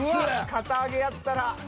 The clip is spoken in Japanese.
堅あげやったら。